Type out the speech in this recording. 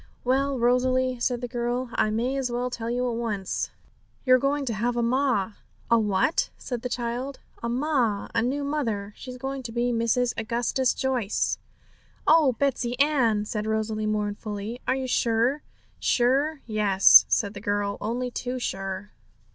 'Well, Rosalie,' said the girl, 'I may as well tell you at once. You're going to have a ma!' 'A what?' said the child. 'A ma a new mother. She's going to be Mrs. Augustus Joyce.' 'Oh, Betsey Ann,' said Rosalie mournfully,'are you sure?' 'Sure? yes,' said the girl, 'only too sure.